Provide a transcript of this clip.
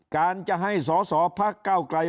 การจะให้สอสอพักเก้าไกล